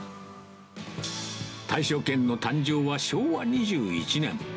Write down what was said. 大勝軒の誕生は昭和２１年。